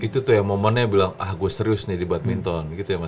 dulu kan mesti nimba